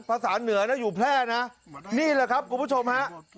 ภาษาเหนือนะอยู่แพร่นะนี่แหละครับคุณผู้ชมฮะ